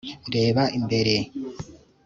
reba imbere